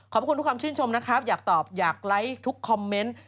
ขอบคุณทุกความชื่นชมนะครับอยากตอบอยากไลค์ทุกคอมเมนต์